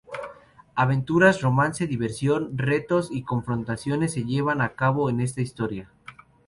Aventuras, romance, diversión, retos y confrontaciones se llevan a cabo en esta historia.